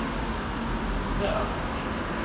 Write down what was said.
Umnaɣ-k